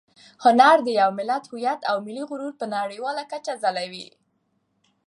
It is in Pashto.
هنر د یو ملت هویت او ملي غرور په نړیواله کچه ځلوي.